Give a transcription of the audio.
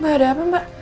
mbak ada apa mbak